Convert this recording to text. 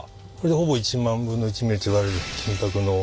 ほぼ１万分の１ミリといわれている金箔の。